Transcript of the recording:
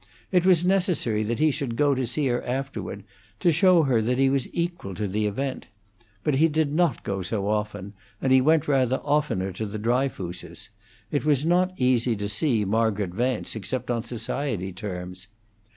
It was necessary that he should go to see her afterward, to show her that he was equal to the event; but he did not go so often, and he went rather oftener to the Dryfooses; it was not easy to see Margaret Vance, except on the society terms.